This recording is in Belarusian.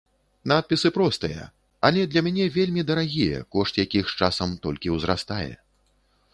Надпісы простыя, але для мяне вельмі дарагія, кошт якіх з часам толькі ўзрастае.